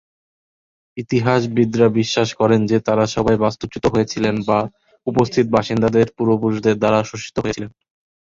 ইতিহাসবিদরা বিশ্বাস করেন যে তারা সবাই বাস্তুচ্যুত হয়েছিলেন বা উপস্থিত বাসিন্দাদের পূর্বপুরুষদের দ্বারা শোষিত হয়েছিলেন।